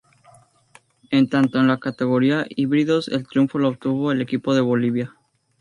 En tanto en la categoría Híbridos el triunfo lo obtuvo el equipo de Bolivia.